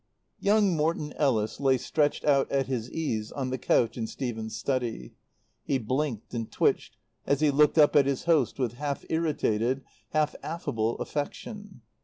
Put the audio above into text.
Young Morton Ellis lay stretched out at his ease on the couch in Stephen's study. He blinked and twitched as he looked up at his host with half irritated, half affable affection.